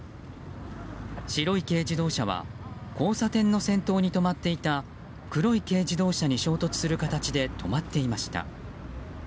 白い軽自動車は交差点の先頭に止まっていた黒い軽自動車に衝突する形で止まっていました。